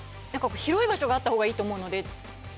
広い場所があった方がいいと思うので。